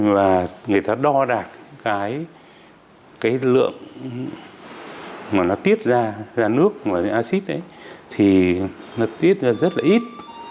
và người ta đo đạt cái lượng mà nó tiết ra ra nước ngoài acid ấy thì nó tiết ra rất là ít